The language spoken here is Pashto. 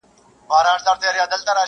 لاري خالي دي له انسانانو.!